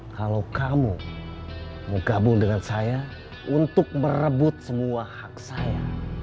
kalau kamu menggabung dengan saya untuk merebut semua hak saya